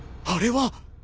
あれは。